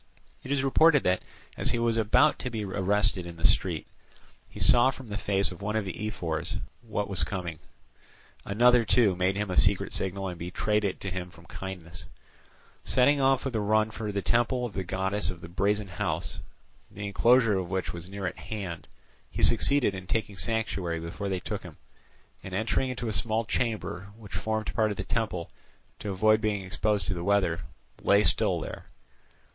It is reported that, as he was about to be arrested in the street, he saw from the face of one of the ephors what he was coming for; another, too, made him a secret signal, and betrayed it to him from kindness. Setting off with a run for the temple of the goddess of the Brazen House, the enclosure of which was near at hand, he succeeded in taking sanctuary before they took him, and entering into a small chamber, which formed part of the temple, to avoid being exposed to the weather, lay still there.